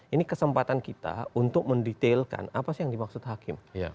ini kesempatan kita untuk mendetailkan apa sih yang dimaksud hakim